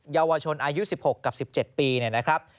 เยาวชนอายุ๑๖กับ๑๗ปีนะครับ